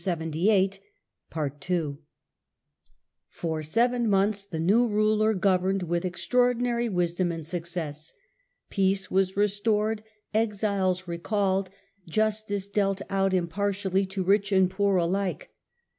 Rieuzi ITALY, 1313 1378 83 For seven months the new ruler governed with ex traordinary wisdom and success. Peace was restored, exiles recalled, justice dealt out impartially to rich and poor alike.